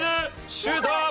シュート！